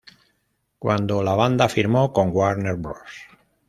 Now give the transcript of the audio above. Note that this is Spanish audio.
Cuando la banda firmó con Warner Bros.